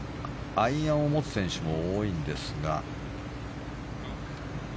アイアンを持つ選手も多いんですが。